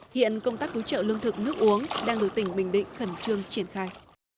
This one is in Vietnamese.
hiện công tác cứu trợ lương thực nước uống đang được tỉnh bình định khẩn trương triển khai